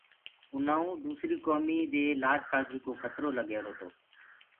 اُنآئونٚ دوٚسريٚ ڪوُميٚ دي لآج پآگي ڪو کتررو لَگ ريهرو تو۔